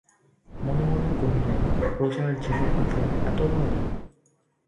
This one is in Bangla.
মনে মনে কহিলেন– প্রজার জিহ্বাকে এত ভয়!